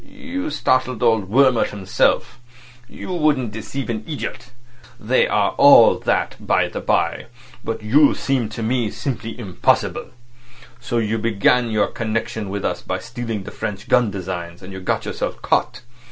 "You startled old Wurmt himself. You wouldn't deceive an idiot. They all are that by the by, but you seem to me simply impossible. So you began your connection with us by stealing the French gun designs. And you got yourself caught.